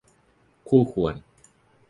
คู่ควร